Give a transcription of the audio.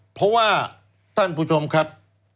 เพราะว่าท่านผู้ชมครับ